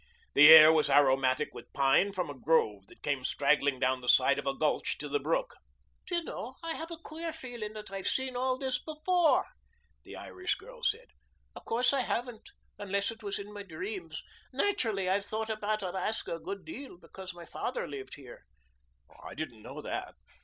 The air was aromatic with pine from a grove that came straggling down the side of a gulch to the brook. "Do you know, I have a queer feeling that I've seen all this before," the Irish girl said. "Of course I haven't unless it was in my dreams. Naturally I've thought about Alaska a great deal because my father lived here." "I didn't know that."